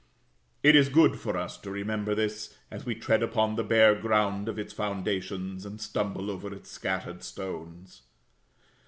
It is good for us to remember this, as we tread upon the bare ground of its foundations, and stumble over its scattered stones.